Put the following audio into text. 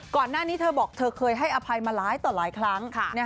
ก่อนหน้านี้เธอบอกเธอเคยให้อภัยมาหลายต่อหลายครั้ง